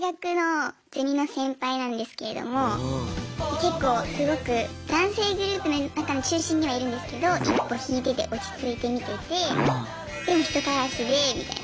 結構すごく男性グループの中の中心にはいるんですけど一歩引いてて落ち着いて見ててでも人たらしでみたいな。